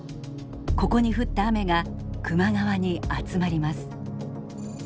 ここに降った雨が球磨川に集まります。